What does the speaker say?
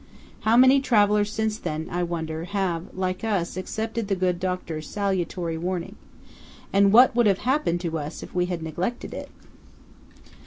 How many travellers since then, I wonder, have like us accepted the good Doctor's salutary warning? And what would have happened to us if we had neglected it?